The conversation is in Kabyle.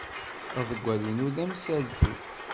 Aḍewwal-inu d amsaltu.